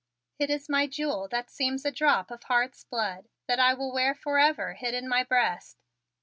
It is my jewel that seems a drop of heart's blood that I will wear forever hid in my breast.